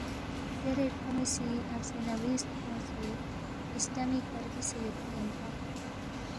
زیرے کھون٘ی سی عرضِ نویس کھیونگسے اِسٹمی کھہ رِبسے یودپی اِنپا